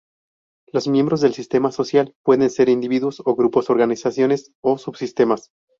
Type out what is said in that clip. Los miembros del sistema social pueden ser individuos o grupos, organizaciones o subsistemas.